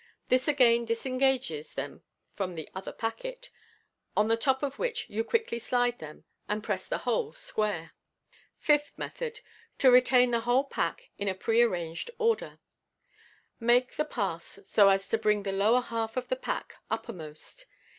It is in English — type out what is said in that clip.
This again disengages then from the other packet, on the top of which you quickly slide them, and press the whole square. Fifth Method. (To retain the whole pack in a pre arranged order.) — Make the pass so as to bring the lower half of the pack uppermost.